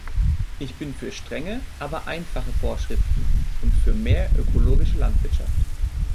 Ich bin für strenge, aber einfache Vorschriften, und für mehr ökologische Landwirtschaft.